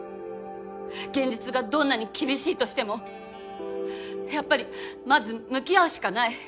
現実がどんなに厳しいとしてもやっぱりまず向き合うしかない。